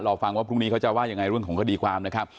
ฟังว่าพรุ่งนี้เขาจะว่ายังไงเรื่องของคดีความนะครับ